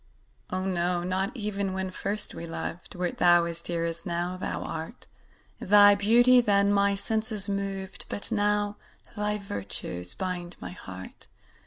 Oh, no not even when first we loved, Wert thou as dear as now thou art; Thy beauty then my senses moved, But now thy virtues bind my heart.